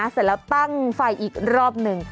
เสร็จแล้วตั้งไฟอีกรอบหนึ่ง